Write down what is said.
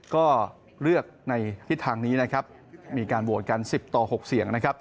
ก็เลือกในทิศทางนี้มีการโหวตกัน๑๐ต่อ๖เสียง